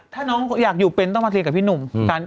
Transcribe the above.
ถ้าน้องอยากอยู่เป็นต้องมาเคลียร์กับพี่หนุ่ม